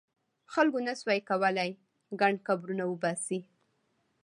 خلکو نه شو کولای ګڼ قبرونه وباسي.